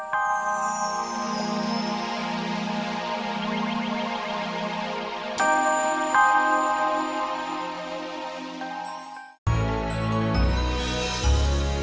sampai jumpa lagi